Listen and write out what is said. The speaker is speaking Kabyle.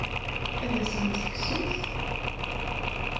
Ad asen-tt-tekksemt?